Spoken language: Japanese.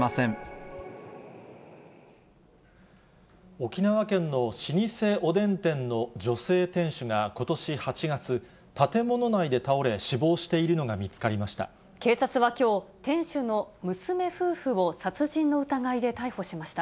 沖縄県の老舗おでん店の女性店主がことし８月、建物内で倒れ、警察はきょう、店主の娘夫婦を殺人の疑いで逮捕しました。